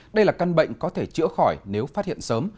đây là căn bệnh có thể chữa khỏi nếu phát hiện sớm